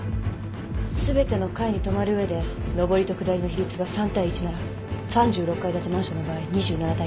全ての階に止まる上で上りと下りの比率が３対１なら３６階建てマンションの場合２７対９になる。